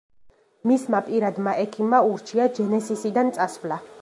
მისმა პირადმა ექიმმა ურჩია ჯენესისიდან წასვლა.